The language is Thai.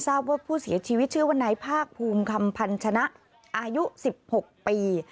ทราบว่าผู้เสียชีวิตชื่อว่านายภาคภูมิคำพันธนะอายุ๑๖ปี